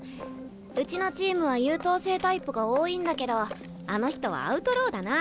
うちのチームは優等生タイプが多いんだけどあの人はアウトローだな。